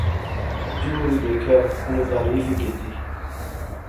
جینی وی دیکھیا اُنی تعریف ایہہ کیتی